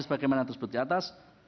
sebagaimana tersebut di atas